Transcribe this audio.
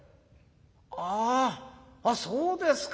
「あああっそうですか。